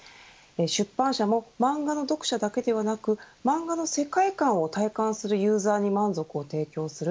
出版社も漫画の読者だけではなく漫画の世界観を体感するユーザーに満足を提供する。